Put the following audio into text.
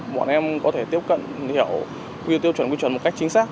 bọn em có thể tiếp cận hiểu quy tiêu chuẩn quy chuẩn một cách chính xác